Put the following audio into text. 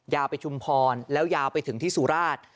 ยาวไปชุมพรแล้วยาวไปถึงที่สุราช